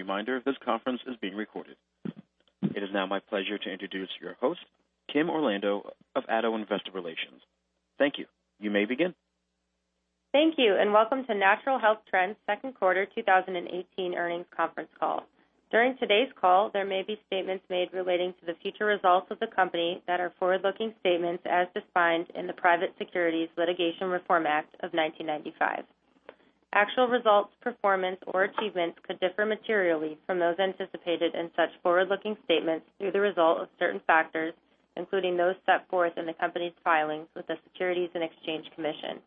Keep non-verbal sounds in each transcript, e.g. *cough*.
As a reminder, this conference is being recorded. It is now my pleasure to introduce your host, Kimberly Orlando of ADDO Investor Relations. Thank you. You may begin. Thank you. Welcome to Natural Health Trends' second quarter 2018 earnings conference call. During today's call, there may be statements made relating to the future results of the company that are forward-looking statements as defined in the Private Securities Litigation Reform Act of 1995. Actual results, performance, or achievements could differ materially from those anticipated in such forward-looking statements due to the result of certain factors, including those set forth in the company's filings with the Securities and Exchange Commission.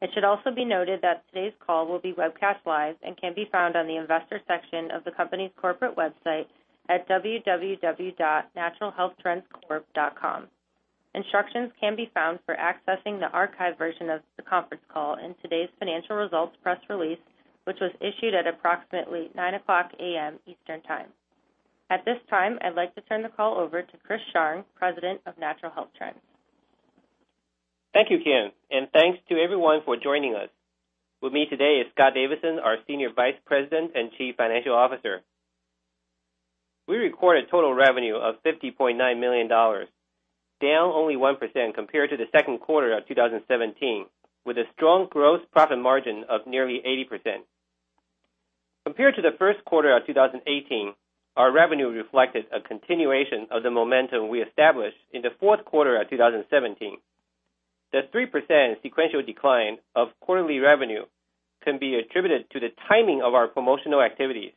It should also be noted that today's call will be webcast live and can be found on the investors section of the company's corporate website at www.naturalhealthtrendscorp.com. Instructions can be found for accessing the archived version of the conference call in today's financial results press release, which was issued at approximately 9:00 A.M. Eastern Time. At this time, I'd like to turn the call over to Chris Sharng, President of Natural Health Trends. Thank you, Kim. Thanks to everyone for joining us. With me today is Scott Davidson, our Senior Vice President and Chief Financial Officer. We recorded total revenue of $50.9 million, down only 1% compared to the second quarter of 2017, with a strong gross profit margin of nearly 80%. Compared to the first quarter of 2018, our revenue reflected a continuation of the momentum we established in the fourth quarter of 2017. The 3% sequential decline of quarterly revenue can be attributed to the timing of our promotional activities.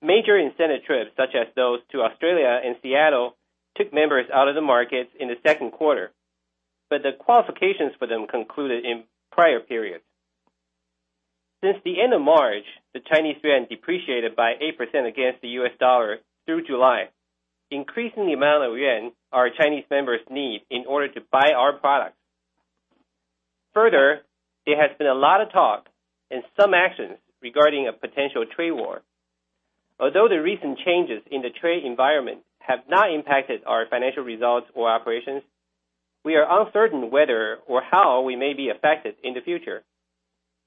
Major incentive trips, such as those to Australia and Seattle, took members out of the markets in the second quarter, but the qualifications for them concluded in prior periods. Since the end of March, the Chinese yuan depreciated by 8% against the US dollar through July, increasing the amount of yuan our Chinese members need in order to buy our products. There has been a lot of talk and some actions regarding a potential trade war. Although the recent changes in the trade environment have not impacted our financial results or operations, we are uncertain whether or how we may be affected in the future.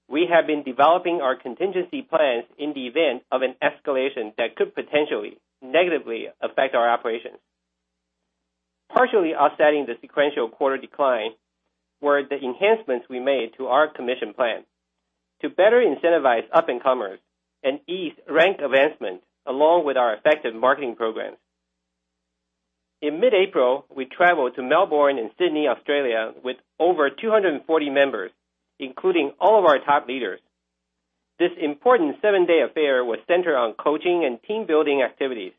We have been developing our contingency plans in the event of an escalation that could potentially negatively affect our operations. Partially offsetting the sequential quarter decline were the enhancements we made to our commission plan to better incentivize up-and-comers and ease rank advancement along with our effective marketing programs. In mid-April, we traveled to Melbourne and Sydney, Australia, with over 240 members, including all of our top leaders. This important seven-day affair was centered on coaching and team-building activities.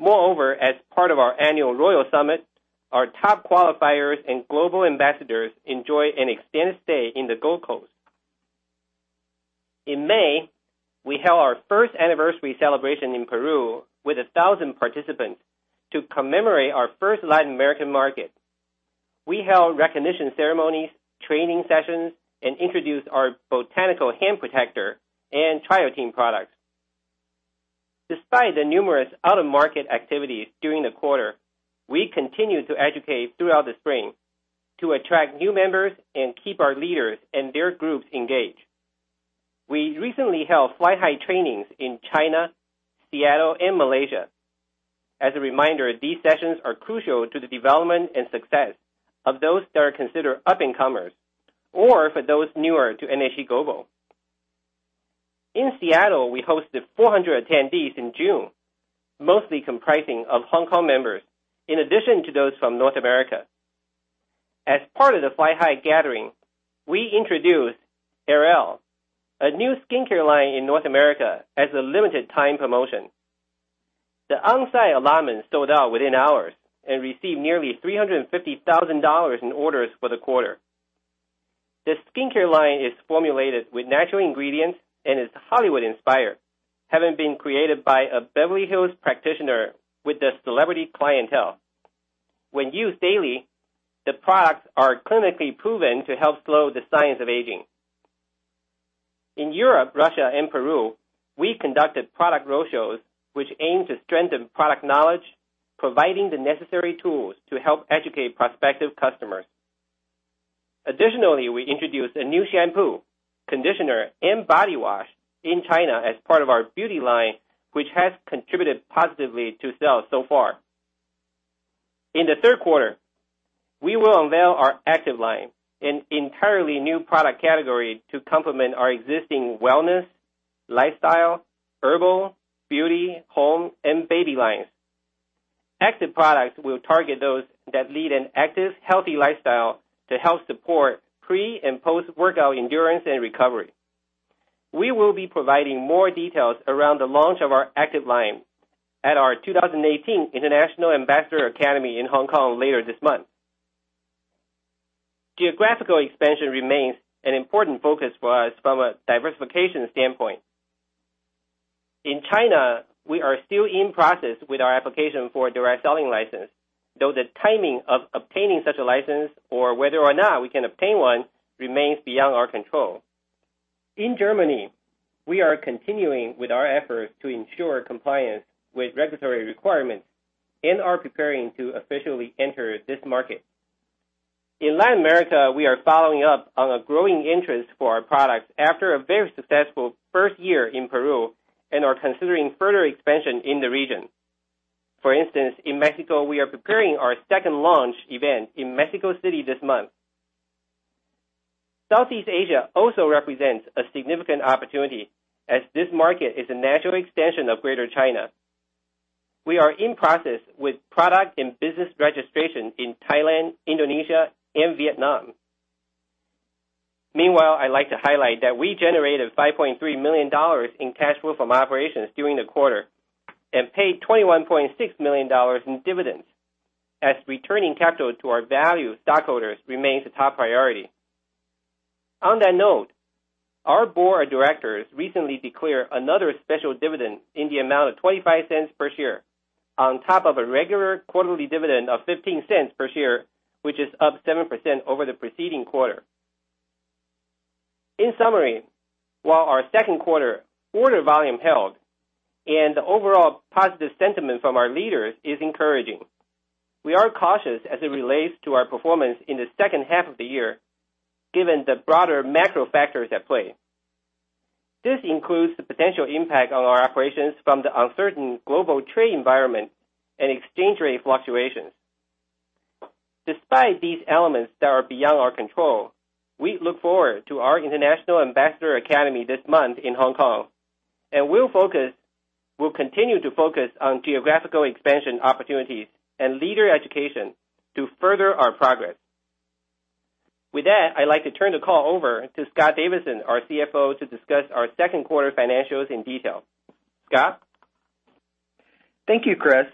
As part of our annual Royal Summit, our top qualifiers and global ambassadors enjoy an extended stay in the Gold Coast. In May, we held our first anniversary celebration in Peru with 1,000 participants to commemorate our first Latin American market. We held recognition ceremonies, training sessions, and introduced our Botanical Hand Protector and Triotein products. Despite the numerous out-of-market activities during the quarter, we continued to educate throughout the spring to attract new members and keep our leaders and their groups engaged. We recently held Fly High trainings in China, Seattle, and Malaysia. As a reminder, these sessions are crucial to the development and success of those that are considered up-and-comers or for those newer to NHT Global. In Seattle, we hosted 400 attendees in June, mostly comprising of Hong Kong members, in addition to those from North America. As part of the Fly High gathering, we introduced Airelle, a new skincare line in North America as a limited time promotion. *inaudible* sold out within hours and received nearly $350,000 in orders for the quarter. This skincare line is formulated with natural ingredients and is Hollywood-inspired, having been created by a Beverly Hills practitioner with a celebrity clientele. When used daily, the products are clinically proven to help slow the signs of aging. In Europe, Russia, and Peru, we conducted product roadshows which aim to strengthen product knowledge, providing the necessary tools to help educate prospective customers. We introduced a new shampoo, conditioner, and body wash in China as part of our beauty line, which has contributed positively to sales so far. In the third quarter, we will unveil our Active line, an entirely new product category to complement our existing wellness, lifestyle, herbal, beauty, home, and baby lines. Active products will target those that lead an active, healthy lifestyle to help support pre- and post-workout endurance and recovery. We will be providing more details around the launch of our Active line at our 2018 International Ambassador Academy in Hong Kong later this month. Geographical expansion remains an important focus for us from a diversification standpoint. In China, we are still in process with our application for a direct selling license, though the timing of obtaining such a license or whether or not we can obtain one remains beyond our control. In Germany, we are continuing with our efforts to ensure compliance with regulatory requirements and are preparing to officially enter this market. In Latin America, we are following up on a growing interest for our products after a very successful first year in Peru, and are considering further expansion in the region. For instance, in Mexico, we are preparing our second launch event in Mexico City this month. Southeast Asia also represents a significant opportunity as this market is a natural extension of Greater China. We are in process with product and business registration in Thailand, Indonesia, and Vietnam. Meanwhile, I'd like to highlight that we generated $5.3 million in cash flow from operations during the quarter and paid $21.6 million in dividends, as returning capital to our value stockholders remains a top priority. On that note, our board of directors recently declared another special dividend in the amount of $0.25 per share on top of a regular quarterly dividend of $0.15 per share, which is up 7% over the preceding quarter. In summary, while our second quarter order volume held and the overall positive sentiment from our leaders is encouraging, we are cautious as it relates to our performance in the second half of the year given the broader macro factors at play. This includes the potential impact on our operations from the uncertain global trade environment and exchange rate fluctuations. Despite these elements that are beyond our control, we look forward to our International Ambassador Academy this month in Hong Kong and we'll continue to focus on geographical expansion opportunities and leader education to further our progress. With that, I'd like to turn the call over to Scott Davidson, our CFO, to discuss our second quarter financials in detail. Scott? Thank you, Chris.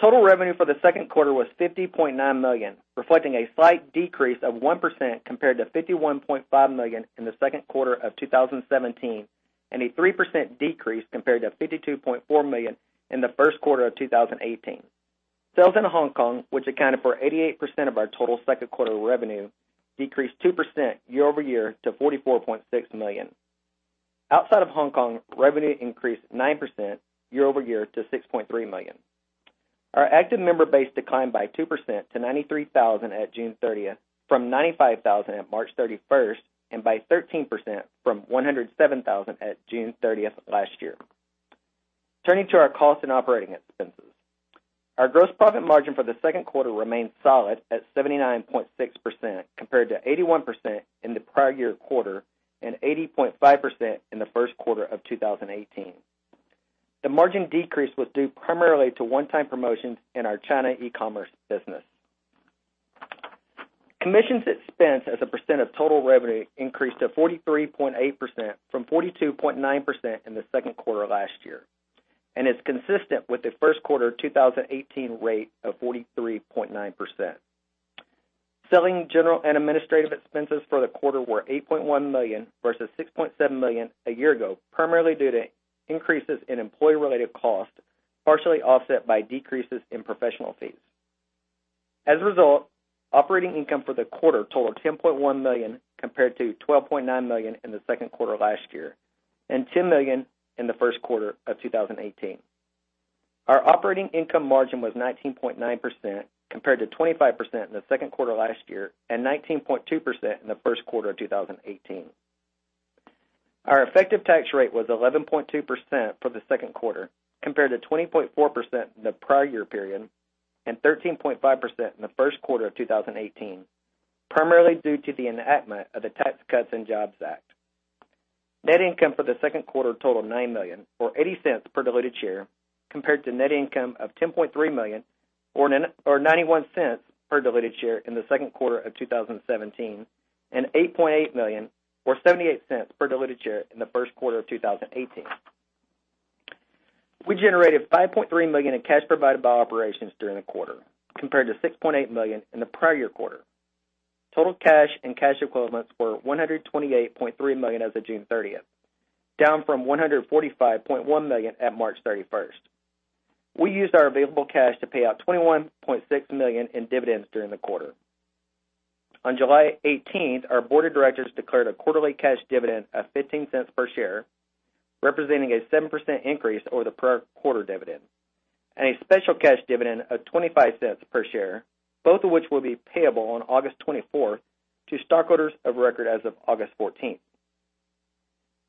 Total revenue for the second quarter was $50.9 million, reflecting a slight decrease of 1% compared to $51.5 million in the second quarter of 2017, and a 3% decrease compared to $52.4 million in the first quarter of 2018. Sales in Hong Kong, which accounted for 88% of our total second quarter revenue, decreased 2% year-over-year to $44.6 million. Outside of Hong Kong, revenue increased 9% year-over-year to $6.3 million. Our active member base declined by 2% to 93,000 at June 30th, from 95,000 at March 31st, and by 13% from 107,000 at June 30th last year. Turning to our cost and operating expenses. Our gross profit margin for the second quarter remained solid at 79.6% compared to 81% in the prior year quarter and 80.5% in the first quarter of 2018. The margin decrease was due primarily to one-time promotions in our China e-commerce business. Commissions expense as a percent of total revenue increased to 43.8% from 42.9% in the second quarter last year, and is consistent with the first quarter 2018 rate of 43.9%. Selling, general, and administrative expenses for the quarter were $8.1 million versus $6.7 million a year ago, primarily due to increases in employee-related costs, partially offset by decreases in professional fees. As a result, operating income for the quarter totaled $10.1 million compared to $12.9 million in the second quarter last year and $10 million in the first quarter of 2018. Our operating income margin was 19.9% compared to 25% in the second quarter last year and 19.2% in the first quarter of 2018. Our effective tax rate was 11.2% for the second quarter compared to 20.4% in the prior year period and 13.5% in the first quarter of 2018, primarily due to the enactment of the Tax Cuts and Jobs Act. Net income for the second quarter totaled $9 million or $0.80 per diluted share compared to net income of $10.3 million or $0.91 per diluted share in the second quarter of 2017 and $8.8 million or $0.78 per diluted share in the first quarter of 2018. We generated $5.3 million in cash provided by operations during the quarter compared to $6.8 million in the prior year quarter. Total cash and cash equivalents were $128.3 million as of June 30th, down from $145.1 million at March 31st. We used our available cash to pay out $21.6 million in dividends during the quarter. On July 18th, our board of directors declared a quarterly cash dividend of $0.15 per share, representing a 7% increase over the prior quarter dividend and a special cash dividend of $0.25 per share, both of which will be payable on August 24th to stockholders of record as of August 14th.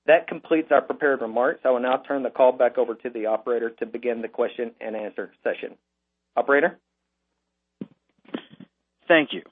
That completes our prepared remarks. I will now turn the call back over to the operator to begin the question and answer session. Operator? Thank you.